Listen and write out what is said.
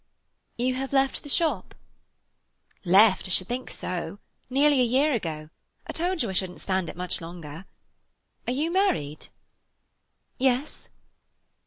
"You have left the shop?" "Left—I should think so. Nearly a year ago. I told you I shouldn't stand it much longer. Are you married?" "Yes."